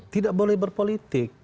tidak boleh berpolitik